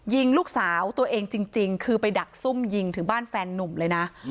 ยิงลูกสาวตัวเองจริงคือไปดักซุ่มยิงถึงบ้านแฟนนุ่มเลยนะ